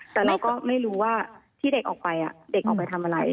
แต่เราก็ไม่รู้ว่าที่เด็กออกไปเด็กออกไปทำอะไร